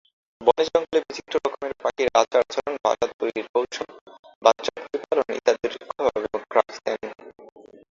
বনে জঙ্গলের বিচিত্র রকমের পাখির আচার আচরণ, বাসা তৈরির কৌশল, বাচ্চা প্রতিপালন ইত্যাদির সূক্ষ্মভাবে নোট রাখতেন।